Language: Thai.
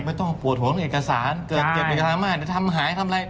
ไม่ต้องปวดหัวในเอกสารเกิดบริกษามากทำหายทำไร